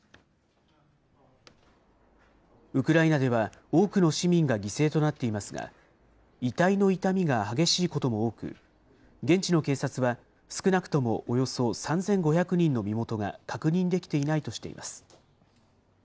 ウクライナでは、多くの市民が犠牲となっていますが、遺体の傷みが激しいことも多く、現地の警察は、少なくともおよそ３５００人の身元が確認できていないとしています。